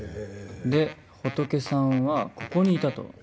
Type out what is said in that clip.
で仏さんはここにいたと。